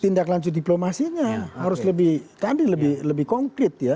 tindak lanjut diplomasinya harus lebih tadi lebih konkret ya